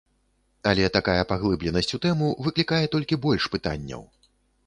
Але такая паглыбленасць у тэму выклікае толькі больш пытанняў.